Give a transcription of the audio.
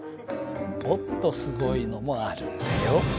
もっとすごいのもあるんだよ。